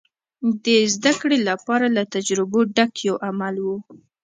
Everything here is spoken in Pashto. د زدهکړې لپاره له تجربو ډک یو عمل و.